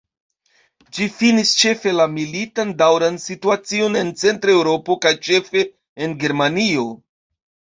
Ĝi finis ĉefe la militan daŭran situacion en Centra Eŭropo kaj ĉefe en Germanio.